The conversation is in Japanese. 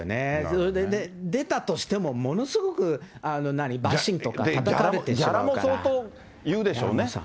それで出たとしても、ものすごく何、バッシングとか、たたかれてギャラも相当言うでしょうね。